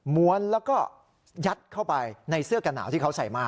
้วนแล้วก็ยัดเข้าไปในเสื้อกระหนาวที่เขาใส่มา